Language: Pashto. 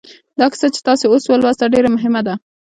دا کیسه چې تاسې اوس ولوسته ډېره مهمه ده